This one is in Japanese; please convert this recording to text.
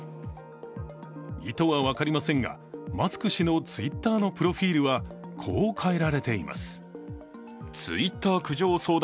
意図は分かりませんが、マスク氏のＴｗｉｔｔｅｒのプロフィールはこう変えられています。